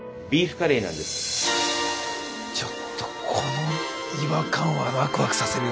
ちょっとこの違和感はワクワクさせるよ。